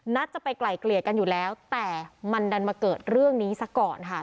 จะไปไกลเกลี่ยกันอยู่แล้วแต่มันดันมาเกิดเรื่องนี้ซะก่อนค่ะ